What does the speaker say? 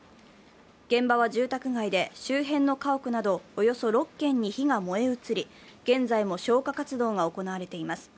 現場は住宅街で、周辺の家屋などおよそ６軒に火が燃え移り、現在も消火活動が行われています。